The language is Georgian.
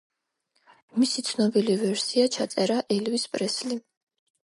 მისი ცნობილი ვერსია ჩაწერა ელვის პრესლიმ.